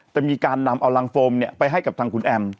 จะมีการนำเอารังโฟมไปให้กับทางคุณแอม